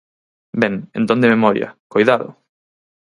Ben, entón de memoria, ¡coidado!